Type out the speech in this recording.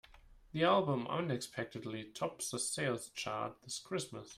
The album unexpectedly tops the sales chart this Christmas.